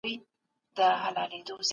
پاک خواړه د پاکې ځمکې حاصل دی.